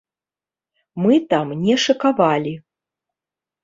Мы там не шыкавалі.